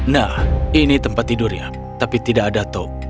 nah ini tempat tidurnya tapi tidak ada tom